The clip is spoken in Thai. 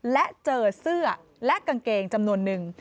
และเจอเสื้อและกางเกงจำนวนนึง